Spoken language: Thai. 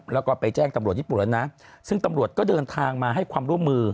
แล้วก็ไปแจ้งตำรวจญี่ปุ่นแล้วนะซึ่งตำรวจก็เดินทางมาให้ความร่วมมือ